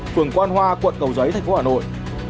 phường quan hoa quận cầu giấy tp hà nội